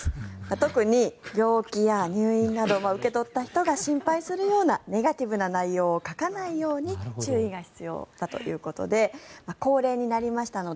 特に病気や入院など受け取った人が心配するようなネガティブな内容を書かないように注意が必要だということで高齢になりましたので。